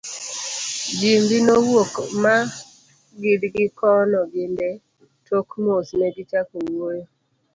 Jimbi nowuok ma gidgi kono gi Ndee, tok mos negichako wuoyo….